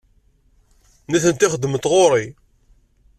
Nitenti xeddment ɣer-i.